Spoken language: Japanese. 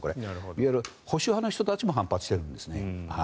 いわゆる保守派の人たちも反発しているんですね。